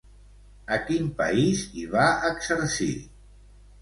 A quin país hi va exercir?